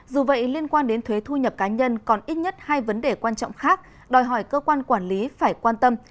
dù vậy liên quan đến thuế thu nhập cá nhân còn ít nhất hai vấn đề quan trọng khác đòi hỏi cơ quan quản lý phải quan tâm